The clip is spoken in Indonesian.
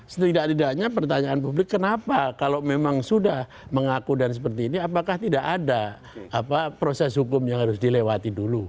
setidak tidaknya pertanyaan publik kenapa kalau memang sudah mengaku dan seperti ini apakah tidak ada proses hukum yang harus dilewati dulu